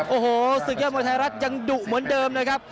โอ้โหศึกยอดมวยไทยรัฐยังดุเหมือนเดิมนะครับ